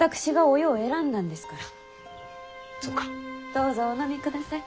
どうぞお飲みください。